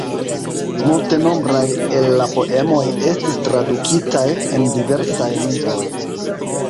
Multenombraj el la poemoj estis tradukitaj en diversaj lingvoj.